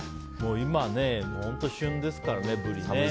今、本当に旬ですからね。